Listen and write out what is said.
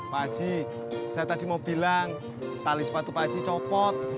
pakcik saya tadi mau bilang tali sepatu pakcik copot